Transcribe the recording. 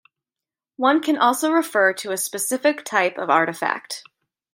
One can also refer to a specific type of artifact.